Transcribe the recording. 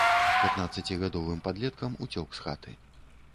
Пятнаццацігадовым падлеткам уцёк з хаты.